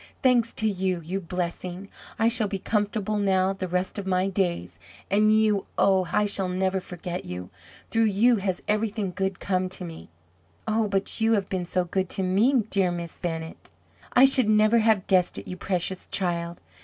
"Thanks to you you blessing! I shall be comfortable now the rest of my days. And you! oh! I shall never forget you! Through you has everything good come to me." "Oh, but you have been so good to me, dear Miss Bennett!" "I should never have guessed it, you precious child!